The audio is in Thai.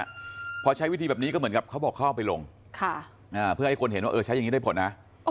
โอ้กล้าเอาปืนออกไปยิงไล่นกพลงด้วยนะ